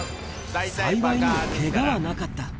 幸いにもけがはなかった。